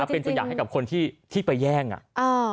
เป็นตัวอย่างให้กับคนที่ไปแย่งอ่ะ